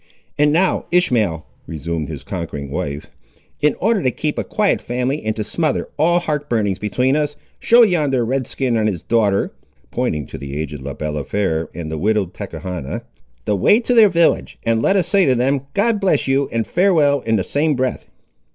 "And now, Ishmael," resumed his conquering wife, "in order to keep a quiet family and to smother all heart burnings between us, show yonder Red skin and his daughter," pointing to the aged Le Balafré and the widowed Tachechana, "the way to their village, and let us say to them—God bless you, and farewell, in the same breath!"